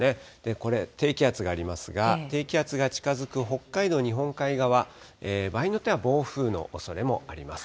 これ、低気圧がありますが、低気圧が近づく北海道日本海側、場合によっては暴風のおそれもあります。